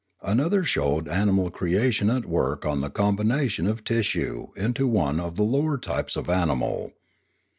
Another showed animal creation at work on the combination of tissue into one of the lower types of animal.